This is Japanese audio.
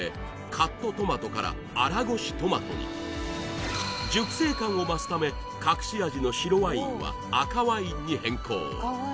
カットトマトから粗ごしトマトに熟成感を増すため隠し味の白ワインは赤ワインに変更